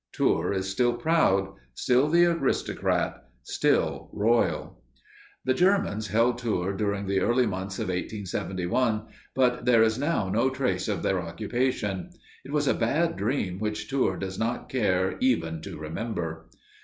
Tours is still proud, still the aristocrat, still royal. The Germans held Tours during the early months of 1871, but there is now no trace of their occupation. It was a bad dream which Tours does not care even to remember.